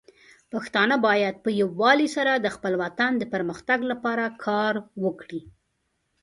پښتانه بايد په يووالي سره د خپل وطن د پرمختګ لپاره کار وکړي.